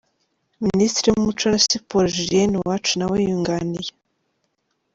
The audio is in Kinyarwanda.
Minisitiri w’umuco na siporo, Juliyene Uwacu, na we yunganiye .